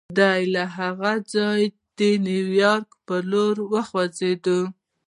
دی له هغه ځايه د نيويارک پر لور وخوځېد.